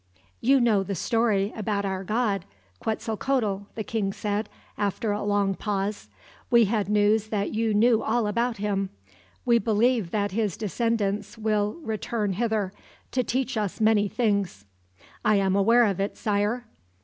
"You know the story about our god, Quetzalcoatl," the king said, after a long pause. "We had news that you knew all about him. We believe that his descendants will return hither, to teach us many things." "I am aware of it, Sire."